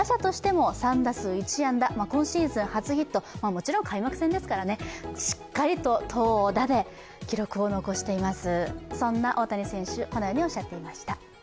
もちろん開幕戦ですからね、しっかりと投打で記録を残しています。